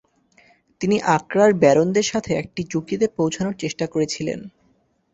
তিনি আক্রার ব্যারনদের সাথে একটি চুক্তিতে পৌঁছানোর চেষ্টা করেছিলেন।